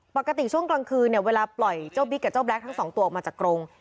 ปกติช่วงกลางคืนเนี่ยเวลาปล่อยเจ้าบิ๊กกับเจ้าแล็คทั้งสองตัวออกมาจากกรง